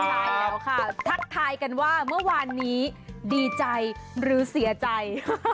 ใช่แล้วค่ะทักทายกันว่าเมื่อวานนี้ดีใจหรือเสียใจ